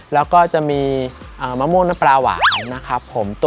แล้วก็จะมีมะม่วงน้ำปลาหวาด